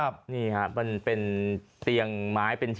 ผมมันมีควรนำบรวช